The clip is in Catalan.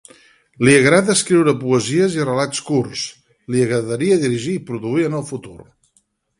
Li agrada escriure poesies i relats curts, li agradaria dirigir i produir en el futur.